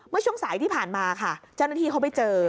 ช่วงสายที่ผ่านมาค่ะเจ้าหน้าที่เขาไปเจอ